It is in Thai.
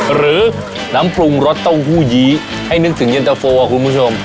หรือน้ำปรุงรสเต้าหู้ยี้ให้นึกถึงเย็นตะโฟคุณผู้ชม